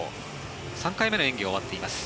３回目の演技が終わっています。